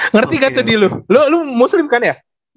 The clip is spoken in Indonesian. ngerti kan tadi lu lu muslim kan ya